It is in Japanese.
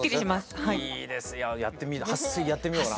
はっ水やってみようかな。